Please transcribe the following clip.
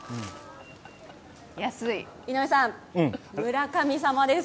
井上さん、村神様です。